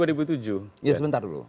iya sebentar dulu